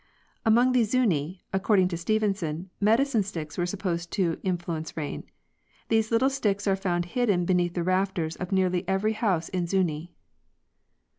Among the Zuni, according to Stevenson, medicine sticks were supposed to influence rain. These little sticks are found hidden beneath the rafters of nearly every house in Zuni.